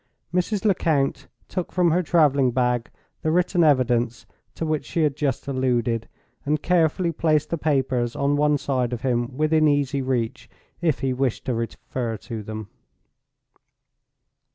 Mrs. Lecount took from her traveling bag the written evidence to which she had just alluded, and carefully placed the papers on one side of him, within easy reach, if he wished to refer to them.